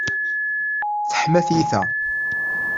Teḥma tiyita.